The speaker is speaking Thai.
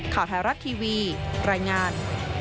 ข่าวไทยรัฐทีวีรายงาน